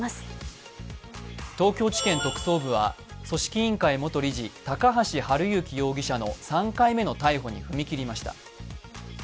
東京地検特捜部は組織委員会元理事、高橋治之容疑者の３回目の逮捕に踏み切りました。